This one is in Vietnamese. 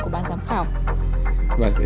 của ban giám khảo